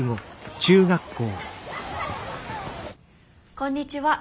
こんにちは。